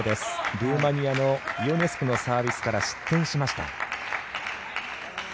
ルーマニアのイオネスクのサービスから失点しました。